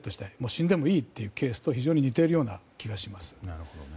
死んでもいいというケースと非常に似ているような気がします。